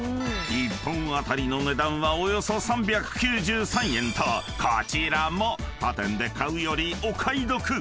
［１本当たりの値段はおよそ３９３円とこちらも他店で買うよりお買い得］